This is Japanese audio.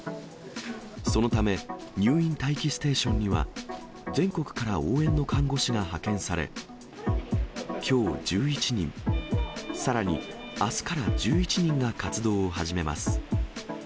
そのため、入院待機ステーションには、全国から応援の看護師が派遣され、きょう１１人、さらにあすから１１人が活動を始めます。